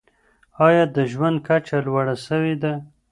ایا د ژوند کچه لوړه سوي ده؟